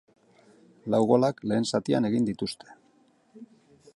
Lau golak lehen zatian egin dituzte.